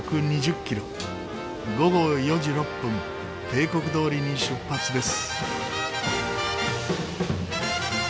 午後４時６分定刻どおりに出発です。